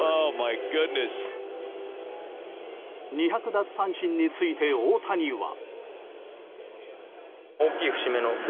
２００奪三振について大谷は。